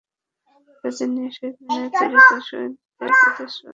তাদের নিয়ে শহীদ মিনার তৈরি করে শহীদদের প্রতি শ্রদ্ধা প্রদর্শন করা হবে।